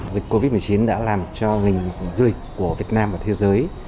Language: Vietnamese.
dịch covid một mươi chín đã làm cho ngành du lịch của việt nam và thế giới